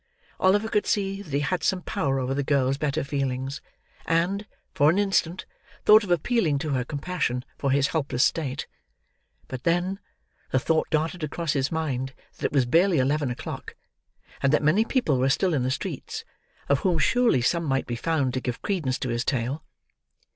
Oliver could see that he had some power over the girl's better feelings, and, for an instant, thought of appealing to her compassion for his helpless state. But, then, the thought darted across his mind that it was barely eleven o'clock; and that many people were still in the streets: of whom surely some might be found to give credence to his tale.